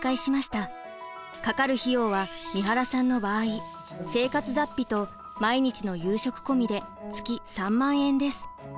かかる費用は三原さんの場合生活雑費と毎日の夕食込みで月３万円です。